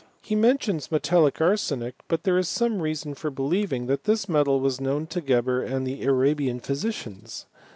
He mentions metallic arsenic ; but there is some reason for believ iag that this metal was known to Geber and the Arabian physicians.